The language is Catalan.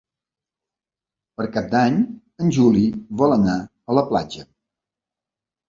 Per Cap d'Any en Juli vol anar a la platja.